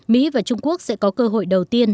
mỹ và trung quốc sẽ có cơ hội đầu tiên